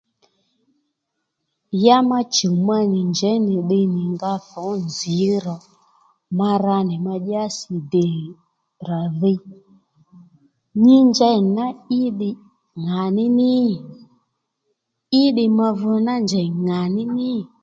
Ya ma chùw ma nì njey nì ddiy nì nga tho nzǐ ro ma ra nì ma dyási dè ra dhiy nyi njey nì ná i ddiy ŋà ní ní í ddiy ma vi ná njèy ŋà ní ní?